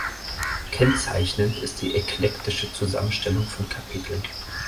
Kennzeichnend ist die eklektische Zusammenstellung von Kapiteln.